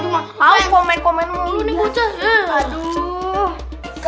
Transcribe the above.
mau komen komen mulu nih bocah